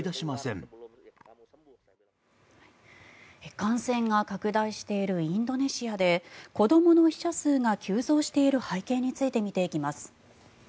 感染が拡大しているインドネシアで子どもの死者数が急増している背景についてみていきます。